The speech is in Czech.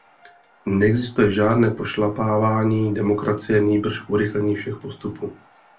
Neexistuje žádné pošlapávání demokracie, nýbrž urychlení všech postupů.